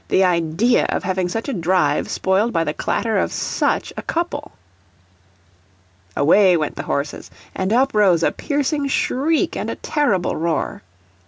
The idea of having such a drive spoiled by the clatter of SUCH a couple!" Away went the horses, and up rose a piercing shriek and a terrible roar.